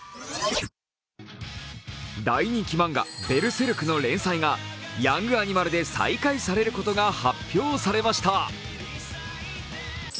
大人気漫画「ベルセルク」の連載が「ヤングアニマル」で再開されることが発表されました。